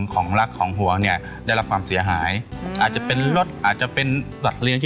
ขอต้อนรับพี่หมอโจ้สวัสดีค่ะ